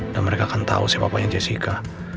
dan mereka akan tahu siapapanya jessica